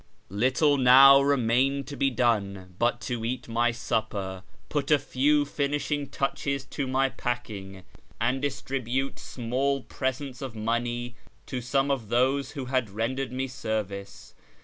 Little now remained to be done but to eat my supper, put a few finishing touches to my packing, and distribute small presents of money to some of those who had rendered me service.